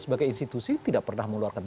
sebagai institusi tidak pernah mengeluarkan